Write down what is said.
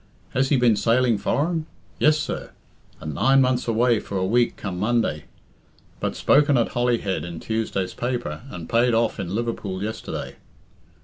Has he been sailing foreign? Yes, sir; and nine months away for a week come Monday. But spoken at Holyhead in Tuesday's paper, and paid off in Liverpool yesterday.